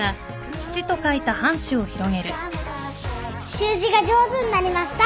習字が上手になりました。